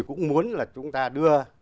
cũng muốn là chúng ta đưa